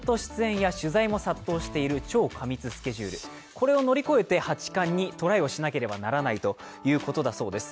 これを乗り越えて八冠にトライしなければならないということです。